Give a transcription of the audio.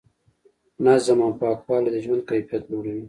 نظم او پاکوالی د ژوند کیفیت لوړوي.